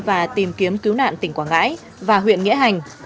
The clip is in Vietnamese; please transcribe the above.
và tìm kiếm cứu nạn tỉnh quảng ngãi và huyện nghĩa hành